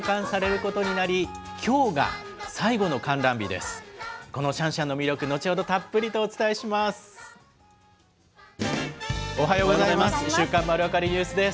このシャンシャンの魅力、後ほどたっぷりとお伝えします。